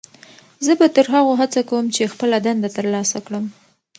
زه به تر هغو هڅه کوم چې خپله دنده ترلاسه کړم.